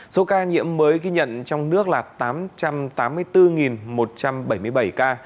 số ca nhiễm mới ghi nhận trong nước là tám trăm tám mươi bốn một trăm bảy mươi bảy ca